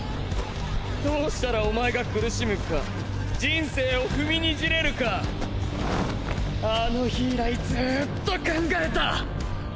どうしたらおまえが苦しむか人生を踏み躙れるかあの日以来ずぅっと考えた！